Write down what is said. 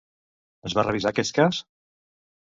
Es va revisar aquest cas?